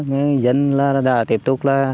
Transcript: nhưng dân đã tiếp tục